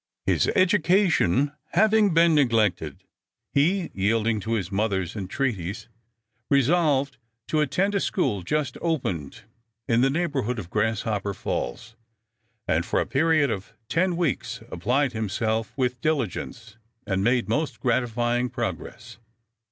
His education having been neglected he, yielding to his mother's entreaties, resolved to attend a school just opened in the neighborhood of Grasshopper Falls, and for a period of ten weeks applied himself with diligence and made most gratifying progress.